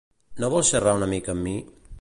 No vols xerrar una mica amb mi?